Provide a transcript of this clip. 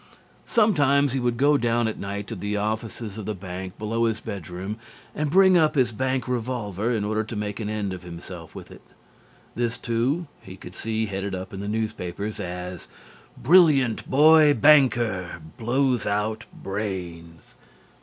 Sometimes he would go down at night to the offices of the bank below his bedroom and bring up his bank revolver in order to make an end of himself with it. This, too, he could see headed up in the newspapers as: BRILLIANT BOY BANKER BLOWS OUT BRAINS.